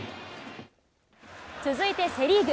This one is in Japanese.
続いてセ・リーグ。